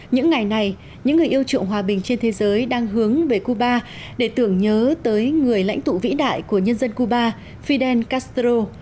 những ngày này những người yêu trụng hòa bình trên thế giới đang hướng về cuba để tưởng nhớ tới người lãnh tụ vĩ đại của nhân dân cuba fidel castro